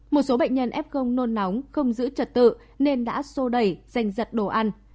một số bệnh nhân f nôn nóng không giữ trật tự nên đã xô đẩy dành giật đồ ăn